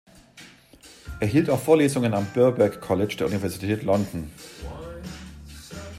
Er hielt auch Vorlesungen am Birkbeck College der Universität London.